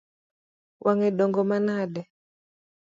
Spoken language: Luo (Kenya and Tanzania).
Wang’e dongo manade?